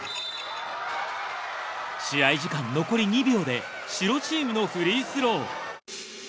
試合時間残り２秒で白チームのフリースロー。